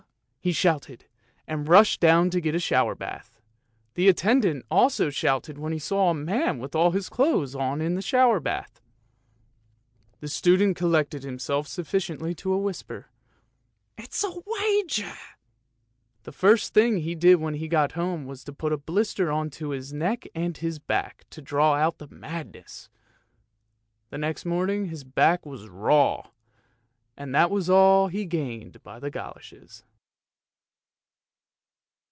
" he shouted, and rushed down to get a shower bath. The attendant also shouted when he saw a man with all his clothes on in the shower bath. The student collected himself sufficiently to whisper, " It's a wager! " The first thing he did when he got home was to put a blister on to his neck and his back, to draw out the madness. The next morning his back was raw, and that was all he gained by the goloshes.